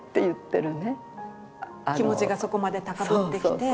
気持ちがそこまで高ぶってきて。